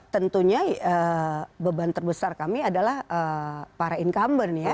tentunya beban terbesar kami adalah para incumbent ya